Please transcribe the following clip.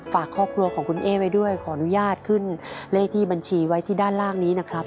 ฝากครอบครัวของคุณเอ๊ไว้ด้วยขออนุญาตขึ้นเลขที่บัญชีไว้ที่ด้านล่างนี้นะครับ